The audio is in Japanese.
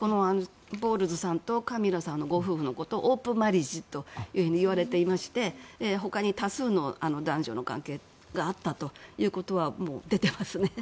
ボウルズさんとカミラさんのご夫婦はオープンマリッジと言われていまして他に多数の男女の関係があったということはもう出ていますね。